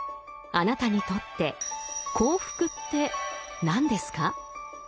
あなたにとって幸福って何ですか？